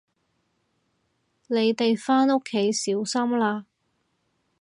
你哋返屋企小心啦